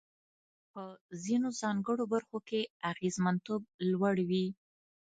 په ځینو ځانګړو برخو کې اغېزمنتوب لوړ وي.